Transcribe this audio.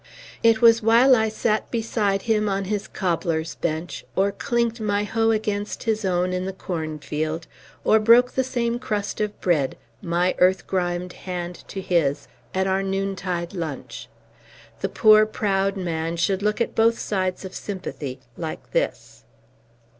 It was while I sat beside him on his cobbler's bench, or clinked my hoe against his own in the cornfield, or broke the same crust of bread, my earth grimed hand to his, at our noontide lunch. The poor, proud man should look at both sides of sympathy like this.